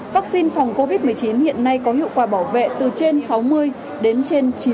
vaccine phòng covid một mươi chín hiện nay có hiệu quả bảo vệ từ trên sáu mươi đến trên chín mươi